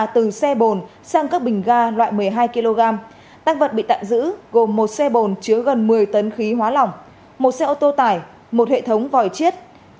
từ xe bồn sang các bình ga loại một mươi hai kg tăng vật bị tạm giữ gồm một xe bồn chứa gần một mươi tấn khí hóa lỏng một xe ô tô tải một hệ thống vòi chiết